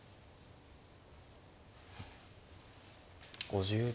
５０秒。